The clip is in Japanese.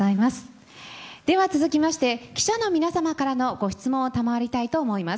では続きまして記者の皆様からの質問をたまわりたいと思います。